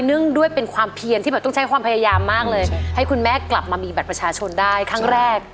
ด้วยเป็นความเพียนที่แบบต้องใช้ความพยายามมากเลยให้คุณแม่กลับมามีบัตรประชาชนได้ครั้งแรก